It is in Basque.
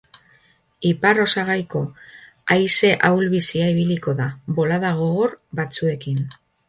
Ipar-osagaiko haize ahul-bizia ibiliko da, bolada gogor batzuekin.